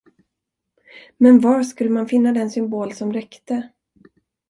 Men var skulle man finna den symbol som räckte?